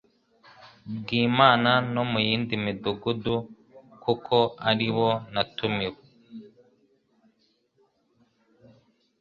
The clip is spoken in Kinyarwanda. bw'Imana no mu yindi midugudu kuko ari byo natumiwe".